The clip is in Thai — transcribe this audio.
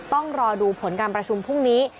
ต้องรอดูผลการประชุมพรุ่งนี้